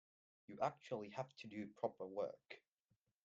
You actually have to do proper work.